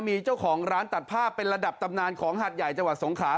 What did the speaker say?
มีเจ้าของร้านตัดภาพเป็นระดับตำนานของหัดใหญ่จังหวัดสงขลา